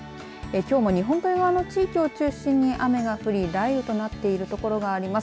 きょうも日本海側の地域を中心に雨が降り雷雨となっている所があります。